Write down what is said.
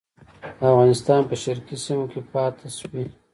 د افغانستان په شرقي سیمو کې پاته شوي.